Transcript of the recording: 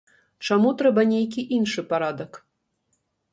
Чаму трэба нейкі іншы парадак?